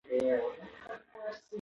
متون د زړو لغاتو ذخیره لري.